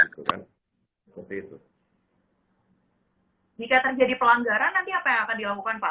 jika terjadi pelanggaran nanti apa yang akan dilakukan pak